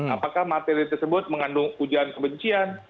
apakah materi tersebut mengandung ujian kebencian